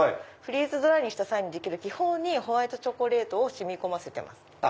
フリーズドライにした際にできる気泡にホワイトチョコレートを染み込ませてます。